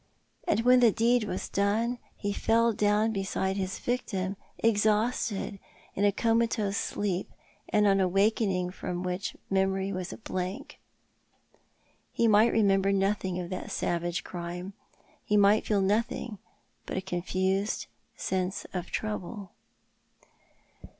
And ■when the deed was done he fell down beside his victim, ex hausted, in a comatose sleep, on awakening from which memory was a blank. He might remember nothing of that savage crime — he might feel nothing but a confused sense of trouble."